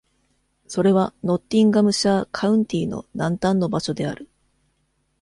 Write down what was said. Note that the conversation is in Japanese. それはノッティンガムシャー・カウンティの南端の場所である。